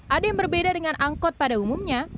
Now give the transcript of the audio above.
ada yang berbeda dengan angkot pada umumnya